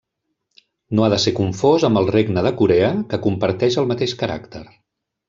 No ha de ser confós amb el regne de Corea que comparteix el mateix caràcter.